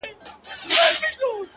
• بیرته چي یې راوړې، هغه بل وي زما نه ،